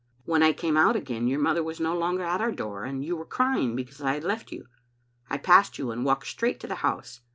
" When I came out again your mother was no longer at our door, and you were crying because I had left you. I passed you and walked straight to the house.